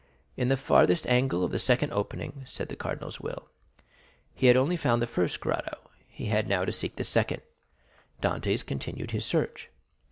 "In the farthest angle of the second opening," said the cardinal's will. He had only found the first grotto; he had now to seek the second. Dantès continued his search.